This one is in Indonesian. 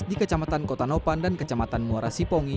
di kecamatan kota nopan dan kecamatan muara sipongi